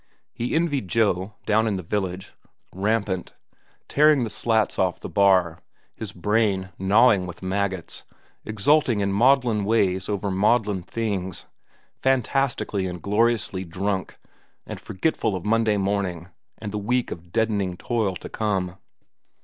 He envied Joe, down in the village, rampant, tearing the slats off the bar, his brain gnawing with maggots, exulting in maudlin ways over maudlin things, fantastically and gloriously drunk and forgetful of Monday morning and the week of deadening toil to come.